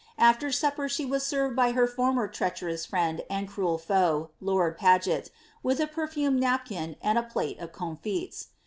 After supper she was served by her former treacherous friend and cruel foe, Lord Paget, with a perfumeo napkin and a plate of comfits.